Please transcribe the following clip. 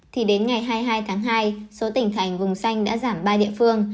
thì đến ngày hai mươi hai tháng hai số tỉnh thành vùng xanh đã giảm ba địa phương